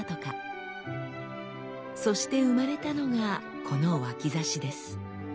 そして生まれたのがこの脇指です。